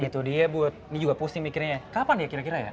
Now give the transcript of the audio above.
itu dia bud ini juga pusing mikirnya kapan ya kira kira ya